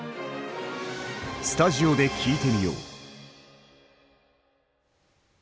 スタジオで聞いてみよう。